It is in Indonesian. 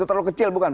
terlalu kecil bukan